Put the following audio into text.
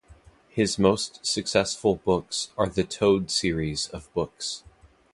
His most successful books are the Toad series of books.